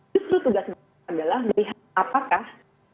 justru tugas kita adalah melihat apakah